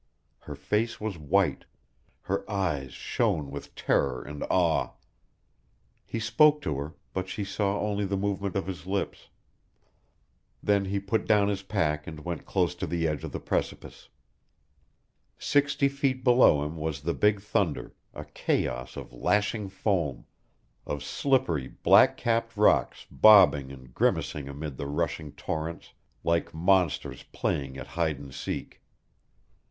Her face was white, her eyes shone with terror and awe. He spoke to her, but she saw only the movement of his lips. Then he put down his pack and went close to the edge of the precipice. Sixty feet below him was the Big Thunder, a chaos of lashing foam, of slippery, black capped rocks bobbing and grimacing amid the rushing torrents like monsters playing at hide and seek.